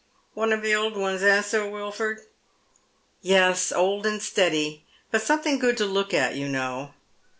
" One of the old ones, eh, Sir Wilf ord ?"" Yes, old and steady. But something good to look at, you know."